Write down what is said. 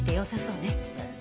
ええ。